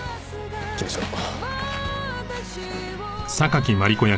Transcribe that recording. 行きましょう。